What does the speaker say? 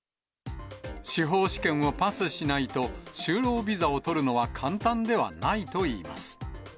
司法試験をパスしないと、就労ビザを取るのは簡単ではないといいます。